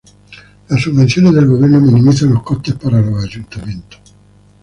Las subvenciones del gobierno minimizan los costes para los ayuntamientos.